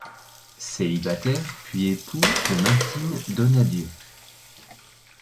Célibataire, puis époux de Martine Donadieu.